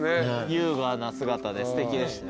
優雅な姿ですてきでしたよ。